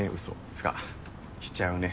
つかしちゃうね